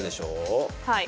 はい。